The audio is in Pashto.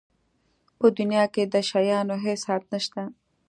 په دنیا کې د شیانو هېڅ حد نشته.